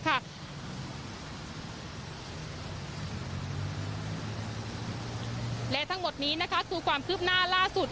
และทั้งหมดนี้สู่ความคืบหน้าล่าสุด